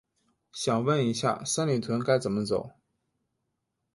想问一下，三里屯该怎么走？